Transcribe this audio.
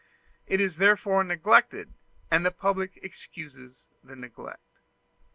It is therefore neglected, and the public excuses the neglect.